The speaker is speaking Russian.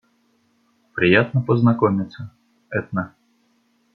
Приятно познакомиться, Этна.